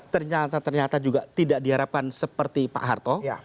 ternyata ternyata juga tidak diharapkan seperti pak harto